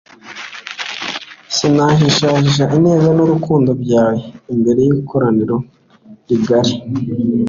sinahishahisha ineza n’ukuri byawe imbere y’ikoraniro rigari